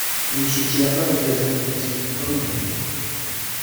imishyikirano igeze mu cyiciro gikomeye.